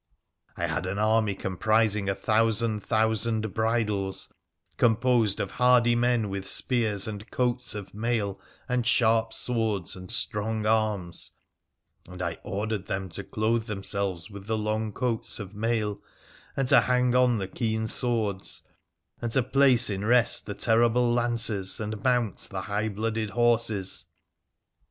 I had an army comprising a thousand thousand bridles, composed of hardy men, with spears, and coats of mail and sharp swords, and strong arms ; and I ordered them to clothe themselves with the long coats of mail, and to hang on the keen swords, and to place in rest the terrible lances, and mount the high blooded horses.